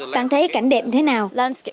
bạn thấy cảnh đẹp thế nào